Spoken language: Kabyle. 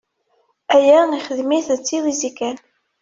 Aya ixdem-it d tiwizi kan.